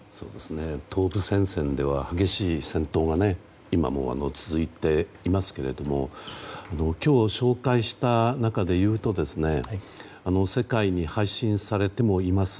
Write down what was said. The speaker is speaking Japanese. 東部戦線では激しい戦闘が今も続いていますが今日、紹介した中でいうと世界に配信されてもいます